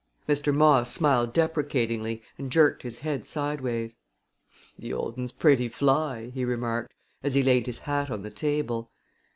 Mr. Moss smiled deprecatingly and jerked his head sideways. "The old un's pretty fly!" he remarked, as he laid his hat on the table.